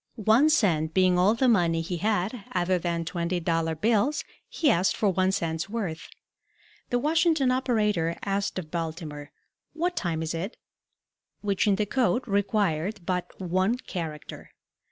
One cent being all the money he had other than twenty dollar bills, he asked for one cent's worth. The Washington operator asked of Baltimore, "What time is it?" which in the code required but one character.